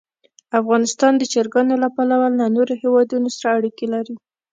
افغانستان د چرګانو له پلوه له نورو هېوادونو سره اړیکې لري.